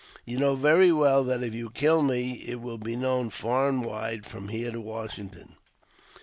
You know very well that if you kill me it will be known far and wide, from here to Washington.'